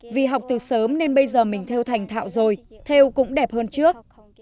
vì học từ sớm nên bây giờ mình theo thành thạo rồi theo cũng đẹp hơn trước